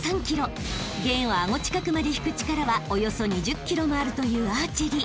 ［弦を顎近くまで引く力はおよそ２０ｋｇもあるというアーチェリー］